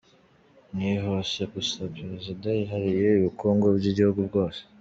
Niho gusa Perezida yihariye ubukungu bw’igihugu bwose